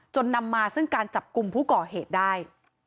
นำมาซึ่งการจับกลุ่มผู้ก่อเหตุได้